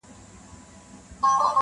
o او نسلونه يې يادوي تل تل,